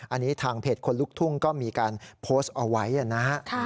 อันนี้ทางเพจคนลุกทุ่งก็มีการโพสต์เอาไว้นะฮะ